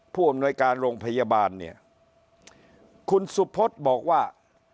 ผู้อำนวยการโรงพยาบาลเนี่ยคุณสุพธบอกว่า